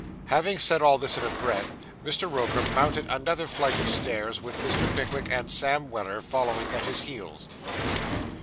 Having said all this in a breath, Mr. Roker mounted another flight of stairs with Mr. Pickwick and Sam Weller following at his heels.